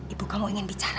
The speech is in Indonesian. ibu kamu ingin bicara